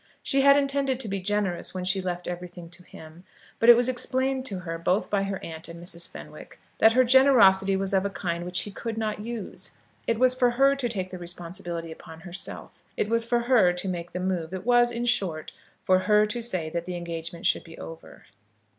She had intended to be generous when she left everything to him; but it was explained to her, both by her aunt and Mrs. Fenwick, that her generosity was of a kind which he could not use. It was for her to take the responsibility upon herself; it was for her to make the move; it was, in short, for her to say that the engagement should be over.